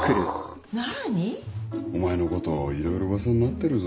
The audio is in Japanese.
お前のこと色々噂になってるぞ。